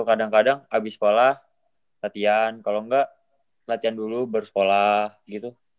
kadang kadang abis sekolah latihan kalo nggak latihan dulu baru sekolah gitu